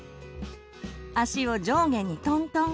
足を上下にトントン。